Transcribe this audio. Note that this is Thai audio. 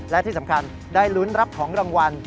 และที่สำคัญได้ลุ้นรับของรางวัล